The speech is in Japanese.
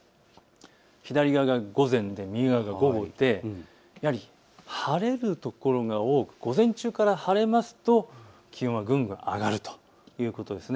左側が午前、右側が午後でやはり晴れる所が多く午前中から晴れますと気温がぐんぐん上がるということです。